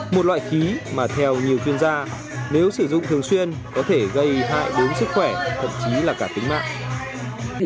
một loại khí mà theo nhiều chuyên gia nếu sử dụng thường xuyên có thể gây hại đến sức khỏe thậm chí là cả tính mạng